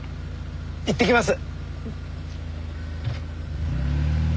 行ってきます。